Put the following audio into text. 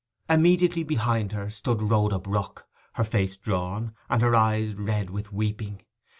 Immediately behind her stood Rhoda Brook, her face drawn, and her eyes red with weeping.